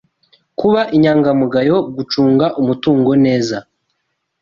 kuba inyangamugayo, gucunga umutungo neza